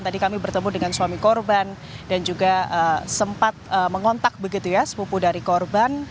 tadi kami bertemu dengan suami korban dan juga sempat mengontak begitu ya sepupu dari korban